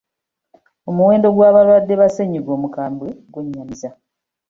Omuwendo gw'abalwadde ba ssennyiga omukambwe gwe nnyamiza.